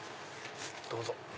どうぞ。